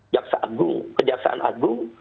jaksa agung kejaksaan agung